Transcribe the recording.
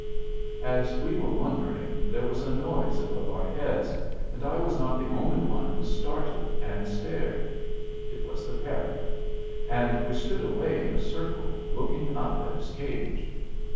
As we were wondering, there was a noise above our heads, and I was not the only one who started and stared. It was the parrot; and we stood away in a circle, looking up at his cage.